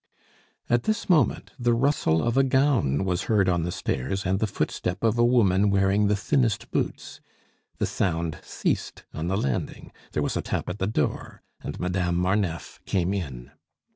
At this moment the rustle of a gown was heard on the stairs and the footstep of a woman wearing the thinnest boots. The sound ceased on the landing. There was a tap at the door, and Madame Marneffe came in.